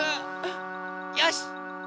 よし！